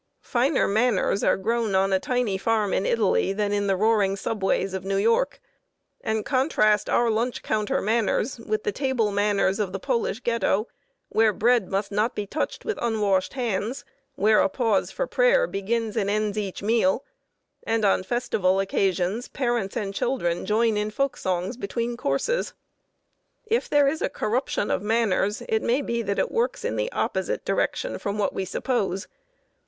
Finer manners are grown on a tiny farm in Italy than in the roaring subways of New York; and contrast our lunch counter manners with the table manners of the Polish ghetto, where bread must not be touched with unwashed hands, where a pause for prayer begins and ends each meal, and on festival occasions parents and children join in folk songs between courses! If there is a corruption of manners, it may be that it works in the opposite direction from what we suppose.